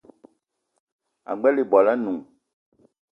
Ag͡bela ibwal anoun